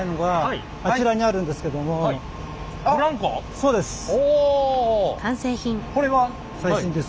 そうです。